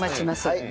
はい。